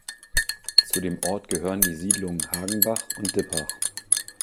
Zu dem Ort gehören die Siedlungen Hagenbach und Dippach.